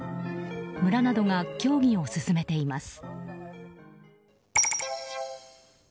村などが協議を進めています。